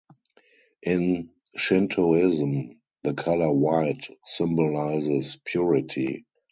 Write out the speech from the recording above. In Shintoism, the color white symbolizes purity.